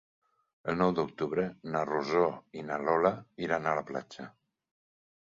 El nou d'octubre na Rosó i na Lola iran a la platja.